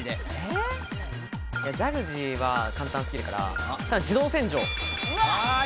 ジャグジーは簡単過ぎるからたぶん自動洗浄。